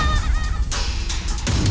kita cek yuk